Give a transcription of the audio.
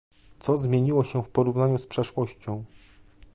Co zmieniło się w porównaniu z przeszłością?